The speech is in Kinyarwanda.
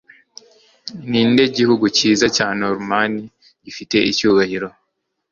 Ninde gihugu cyiza cya Norman gifite icyubahiro